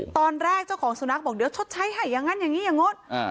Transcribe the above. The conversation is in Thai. ตอนแรกเจ้าของสุนัขบอกเดี๋ยวชดใช้ให้อย่างนั้นอย่างนี้อย่างโน้น